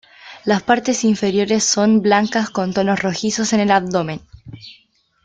Las partes inferiores son blancas con tonos rojizos en el abdomen.